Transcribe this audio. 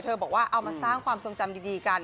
บอกว่าเอามาสร้างความทรงจำดีกัน